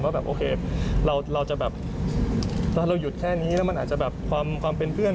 ว่าแบบโอเคถ้าเราหยุดแค่นี้แล้วความเป็นเพื่อน